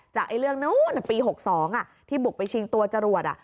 จากเรื่องปี๖๒ที่บุกไปชิงตัวจรวด